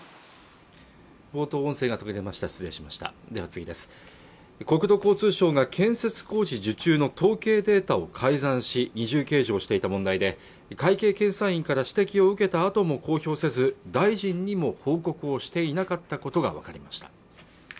冒頭音声が途切れました失礼しました国土交通省が建設工事受注の統計データを改ざんし二重計上していた問題で会計検査院から指摘を受けたあとも公表せず大臣にも報告をしていなかったことが分かりました